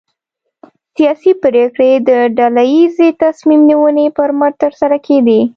سیاسي پرېکړې د ډله ییزې تصمیم نیونې پر مټ ترسره کېدې.